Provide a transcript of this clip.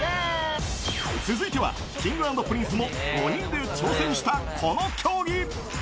続いては、Ｋｉｎｇ＆Ｐｒｉｎｃｅも５人で挑戦した、この競技。